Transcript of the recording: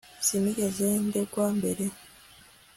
Sinigeze ndegwa mbere